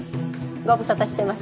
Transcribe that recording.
ご無沙汰してます。